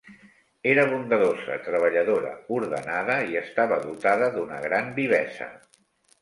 Era bondadosa, treballadora, ordenada i estava dotada d'una gran vivesa.